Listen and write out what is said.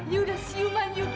you udah siuman you